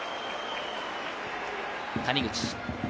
谷口。